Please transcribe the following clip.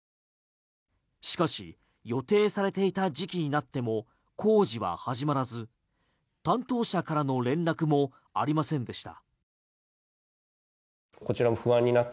しかし予定されていた時期になっても工事は始まらず担当者からの連絡もありませんでした。